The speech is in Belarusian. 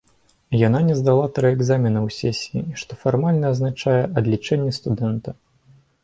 Яна не здала тры экзамены ў сесіі, што фармальна азначае адлічэнне студэнта.